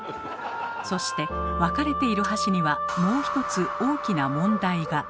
そして分かれている箸にはもう１つ大きな問題が！